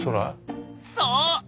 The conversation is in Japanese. そう。